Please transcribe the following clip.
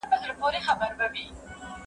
خواړه د زهشوم له خوا ورکول کيږي!.